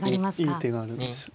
いい手があるんです。